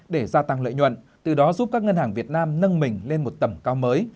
để gia tăng lợi nhuận từ đó giúp các ngân hàng việt nam nâng mình lên một tầm cao mới